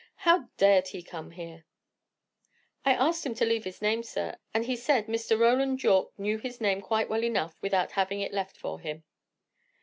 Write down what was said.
How dared he come here?" "I asked him to leave his name, sir, and he said Mr. Roland Yorke knew his name quite well enough, without having it left for him."